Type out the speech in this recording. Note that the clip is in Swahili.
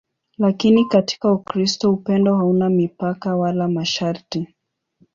Lakini katika Ukristo upendo hauna mipaka wala masharti.